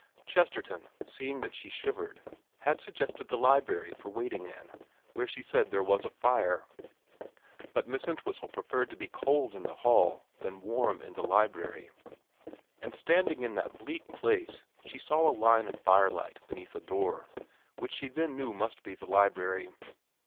Chesterton, seeing that she shivered, had suggested the library for waiting in, where she said there was a fire, but Miss Entwhistle preferred to be cold in the hall than warm in the library ; and standing in xxvn VERA 305 that bleak place she saw a line of firelight beneath a door, which she then knew must be the library.